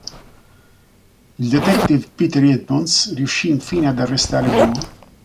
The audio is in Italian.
Il detective Peter Edmonds riuscì infine ad arrestare Ball.